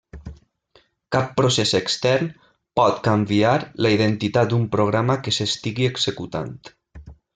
Cap procés extern pot canviar la identitat d'un programa que s'estigui executant.